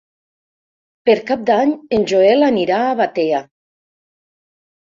Per Cap d'Any en Joel anirà a Batea.